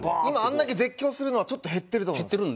今あれだけ絶叫するのはちょっと減ってると思います。